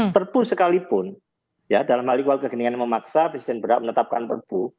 perpu sekalipun dalam halikual kegeningan memaksa presiden berak menetapkan perpu